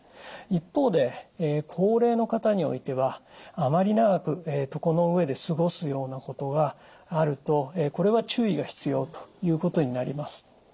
一方で高齢の方においてはあまり長く床の上で過ごすようなことがあるとこれは注意が必要ということになります。